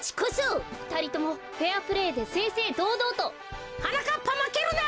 ふたりともフェアプレーでせいせいどうどうと！はなかっぱまけるな！